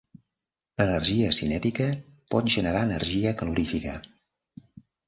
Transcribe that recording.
L'energia cinètica pot generar energia calorífica.